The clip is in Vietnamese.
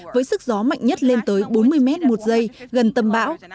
với sức gió mạnh nhất lên tới bốn mươi mét một giây gần tâm bão